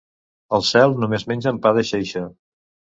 Al cel només mengen pa de xeixa.